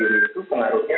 dan sama sama pendirinya